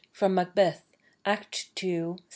FROM "MACBETH," ACT II. SC.